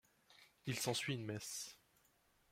Il s'ensuit une messe.